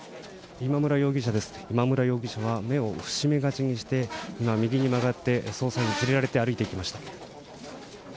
今村容疑者は目を伏し目がちにして右に曲がって捜査員に連れられて歩いていきました。